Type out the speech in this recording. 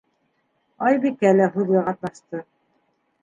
Айбикә лә һүҙгә ҡатнашты.